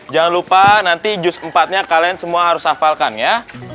jangan lupa nanti jus empat nya kalian semua harus hafalkan ya